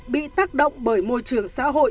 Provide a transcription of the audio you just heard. bị tác động bởi môi trường xã hội